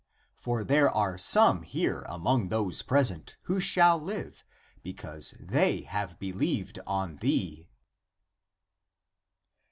For there are some here among those present who shall live, be cause they have believed on thee."